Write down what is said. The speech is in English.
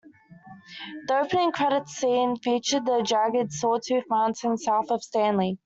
The opening credits scene featured the jagged Sawtooth Mountains south of Stanley.